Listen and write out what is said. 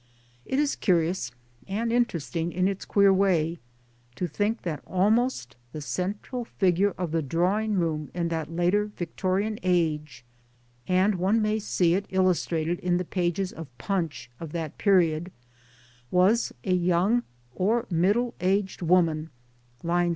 It is curious and interesting in its queer way to think that almost the central figure of the drawing room in that later Victorian age (and one may see it illustrated in the pages of Punch of that period) was a young or middle aged woman lying!